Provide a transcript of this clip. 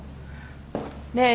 ねえ？